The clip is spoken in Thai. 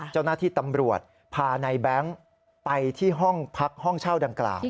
เจ้าหน้าที่ตำรวจพาในแบงค์ไปที่ห้องพักห้องเช่าดังกล่าว